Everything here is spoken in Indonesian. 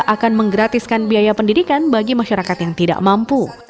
akan menggratiskan biaya pendidikan bagi masyarakat yang tidak mampu